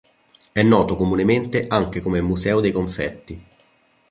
È noto comunemente anche come Museo dei confetti.